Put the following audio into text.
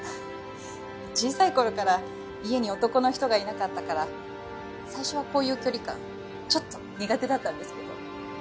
小さい頃から家に男の人がいなかったから最初はこういう距離感ちょっと苦手だったんですけど。